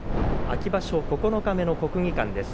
秋場所九日目の国技館です。